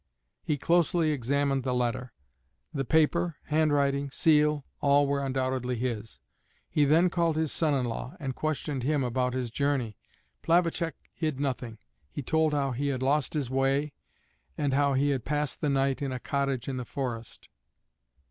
He closely examined the letter; the paper, handwriting, seal all were undoubtedly his. He then called his son in law, and questioned him about his journey. Plavacek hid nothing: he told how he had lost his way, and how he had passed the night in a cottage in the forest.